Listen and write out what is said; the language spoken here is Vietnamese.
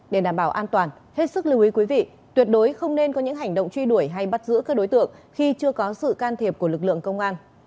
để đảm bảo an toàn hết sức lưu ý quý vị tuyệt đối không nên có những hành động truy đuổi hay bắt giữ các đối tượng khi chưa có sự can thiệp của lực lượng công an